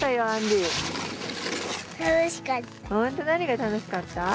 何が楽しかった？